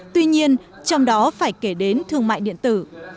tuy nhiên trong đó phải kể đến thương mại điện tử